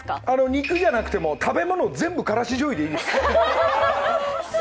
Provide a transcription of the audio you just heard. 肉じゃなくても食べ物全部からししょうゆでいいです。